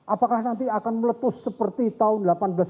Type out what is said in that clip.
apakah nanti akan meletus seperti tahun seribu delapan ratus dua puluh